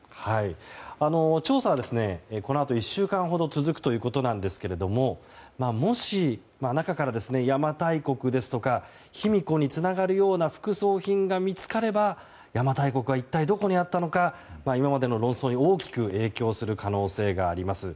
調査はこのあと１週間ほど続くということですがもし、中から邪馬台国や卑弥呼につながるような副葬品が見つかれば邪馬台国は一体どこにあったのか今までの論争に大きく影響する可能性があります。